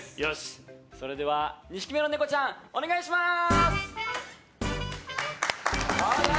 それでは２匹目のネコちゃんお願いします！